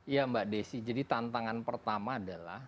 ya mbak desi jadi tantangan pertama adalah